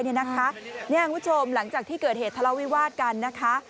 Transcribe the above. นี่คุณผู้ชมหลังจากที่เกิดเหตุทละวิวาสกัน